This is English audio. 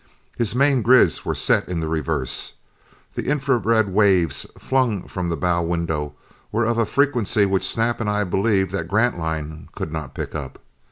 His main grids were set in the reverse. The infra red waves, flung from the bow window, were of a frequency which Snap and I believed that Grantline could not pick up.